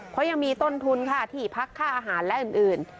เพราะยังมีต้นทุนค่ะที่พักค่าอาหารและอื่น